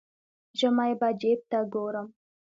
ژمی به جیب ته ګورم.